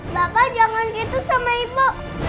bapak jangan gitu sama ibu